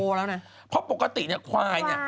ขอวัทธุ์บรรกาติเนี้ยควายเนี่ย